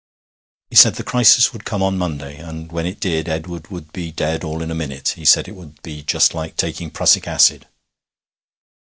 'He said the crisis would come on Monday, and when it did Edward would be dead all in a minute. He said it would be just like taking prussic acid.'